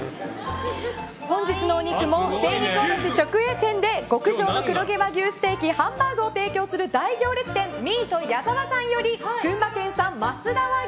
本日のお肉も精肉卸直営店で極上の黒毛和牛ステーキのハンバーグを提供する大行列店ミート矢澤さんより群馬県産増田和牛